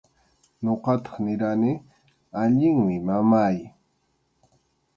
Ñuqataq nirqani: allinmi, mamáy.